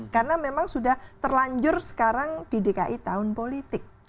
karena memang sudah terlanjur sekarang di dki tahun politik